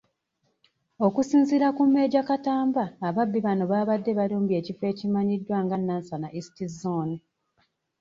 Okusinziira ku Major Katamba, ababbi bano baabadde balumbye ekifo ekimanyiddwa nga Nansana East zzooni.